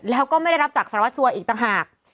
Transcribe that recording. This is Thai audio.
แล้วก็ไม่ได้รับจากสารวัสสัวอีกต่างหาก